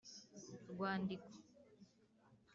Rwandiko